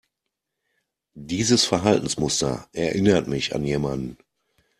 Dieses Verhaltensmuster erinnert mich an jemanden.